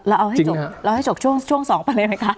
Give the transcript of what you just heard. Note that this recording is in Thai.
เราเอาให้จบเราให้จบช่วง๒ไปเลยไหมคะ